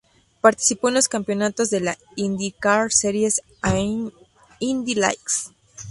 Participó en los campeonatos de la IndyCar Series e Indy Lights.